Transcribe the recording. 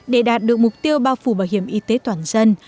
để đạt được mục tiêu bao phủ bảo hiểm y tế toàn dân